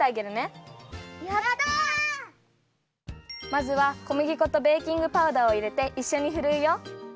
まずはこむぎ粉とベーキングパウダーをいれていっしょにふるうよ。